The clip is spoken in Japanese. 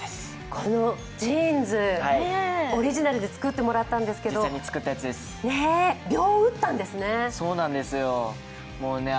このジーンズ、オリジナルで作ってもらったんですけどびょうを打ったんですね。